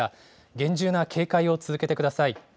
厳重な警戒を続けてください。